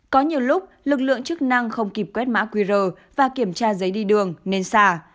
có nhiều lúc lực lượng chức năng không kịp quét mã qr và kiểm tra giấy đi đường nên xả